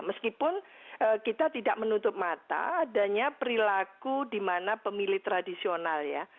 meskipun kita tidak menutup mata adanya perilaku di mana pemilih tradisional ya